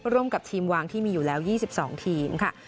ร่วมกับทีมวางที่มีอยู่แล้ว๒๒ทีมค่ะ